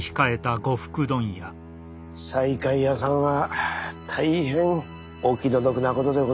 西海屋さんは大変お気の毒なことでございました。